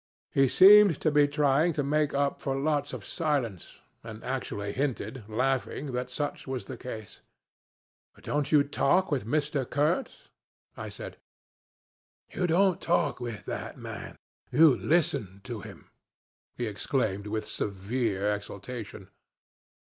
He seemed to be trying to make up for lots of silence, and actually hinted, laughing, that such was the case. 'Don't you talk with Mr. Kurtz?' I said. 'You don't talk with that man you listen to him,' he exclaimed with severe exaltation.